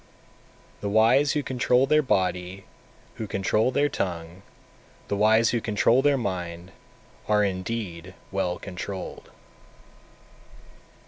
234. The wise who control their body, who control their tongue, the wise who control their mind, are indeed well controlled.